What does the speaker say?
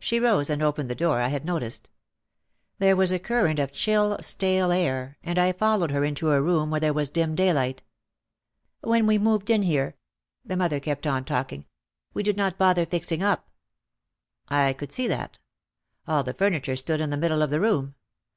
She rose and opened the door I had noticed. There was a current of chill, stale air and I followed her into a room where there was dim day light. "When we moved in here," the mother kept on talking, "we did not bother fixing up." I could see that. All the furniture stood in the middle of the room.